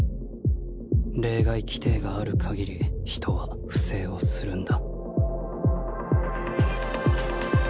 例外規定があるかぎり人は不正をするんだ。